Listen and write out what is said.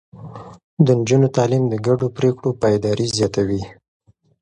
د نجونو تعليم د ګډو پرېکړو پايداري زياتوي.